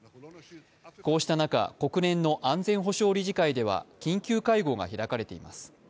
こうした中、国連の安全保障理事会では緊急会合が開かれています。